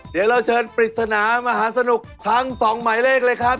เดี๋ยวเราเชิญปริศนามหาสนุกทั้งสองหมายเลขเลยครับ